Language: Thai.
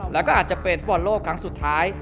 แล้วก็อาจจะเป็นฟุตบอลโลกครั้งสุดท้าย